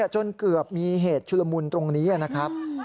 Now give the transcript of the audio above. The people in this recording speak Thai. จนเกือบมีเหตุชุลมุนตรงนี้นะครับ